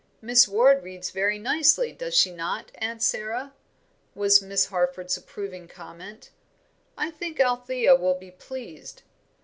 "Miss Ward reads very nicely, does she not, Aunt Sara?" was Miss Harford's approving comment. "I think Althea will be pleased."